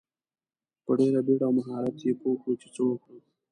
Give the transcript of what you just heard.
په ډیره بیړه او مهارت یې پوه کړو چې څه وکړو.